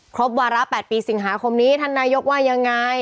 วาระ๘ปีสิงหาคมนี้ท่านนายกว่ายังไง